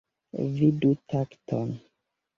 Vidu takton.